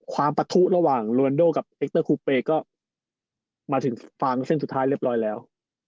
ความประทุระหว่างลูนดูลกับเอคเตอร์คูเปก็มาถึงฝั่งเส้นสุดท้ายเรียบร้อยแล้ว